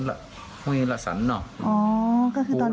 เพราะพ่อเชื่อกับจ้างหักข้าวโพด